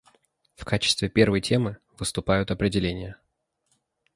В качестве первой темы выступают определения.